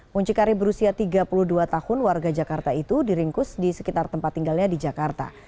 muncikari berusia tiga puluh dua tahun warga jakarta itu diringkus di sekitar tempat tinggalnya di jakarta